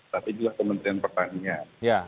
tapi juga kementerian pertanian